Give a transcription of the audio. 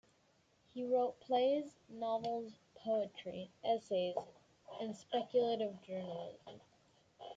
He wrote plays, novels, poetry, essays and speculative journalism.